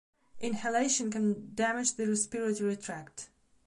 Inhalation can damage the respiratory tract.